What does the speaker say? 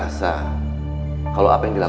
dan ada lagi contoh bahwa